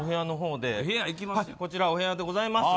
こちらお部屋でございます。